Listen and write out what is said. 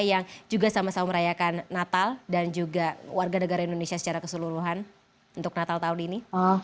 yang juga sama sama merayakan natal dan juga warga negara indonesia secara keseluruhan untuk natal tahun ini